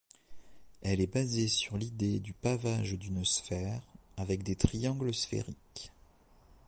Elle est basée sur l'idée du pavage d'une sphère, avec des triangles sphériques.